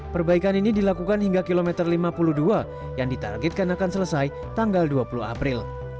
perbaikan ini dilakukan hingga kilometer lima puluh dua yang ditargetkan akan selesai tanggal dua puluh april